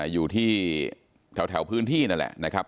อยู่ที่แถวพื้นที่นั่นแหละนะครับ